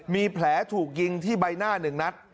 มีแผลถูกยิงที่ใบหน้า๑นัด